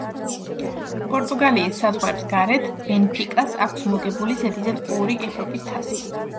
პორტუგალიის საზღვრებს გარეთ, „ბენფიკას“ აქვს მოგებული ზედიზედ ორი ევროპის თასი.